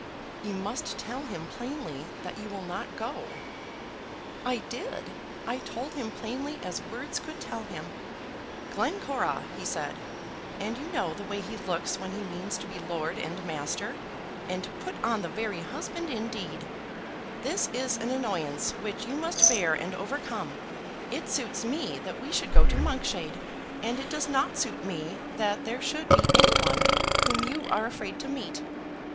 "You must tell him plainly that you will not go." "I did. I told him plainly as words could tell him. 'Glencora,' he said, and you know the way he looks when he means to be lord and master, and put on the very husband indeed, 'This is an annoyance which you must bear and overcome. It suits me that we should go to Monkshade, and it does not suit me that there should be any one whom you are afraid to meet.'